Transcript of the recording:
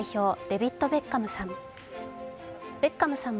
デイビッド・ベッカムさん。